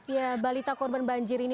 ya balita korban banjir ini